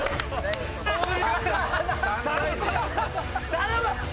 頼む！